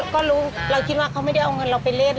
ก็รู้เราคิดว่าเขาไม่ได้เอาเงินเราไปเล่น